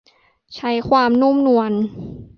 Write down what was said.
ใช้ความนุ่มนวล